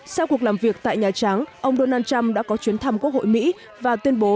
sau cuộc làm việc tại nhà trắng ông donald trump đã có chuyến thăm quốc hội mỹ và tuyên bố